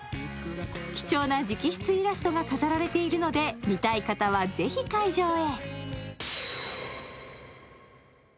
貴重な直筆イラストが飾られているので、見たい方はぜひ会場へ。